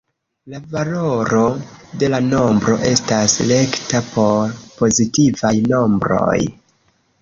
La valoro de la nombro estas rekta por pozitivaj nombroj.